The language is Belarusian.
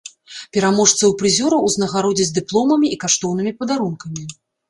Пераможцаў і прызёраў узнагародзяць дыпломамі і каштоўнымі падарункамі.